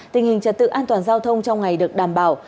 tình hình trật tự an toàn giao thông trong ngày được đảm bảo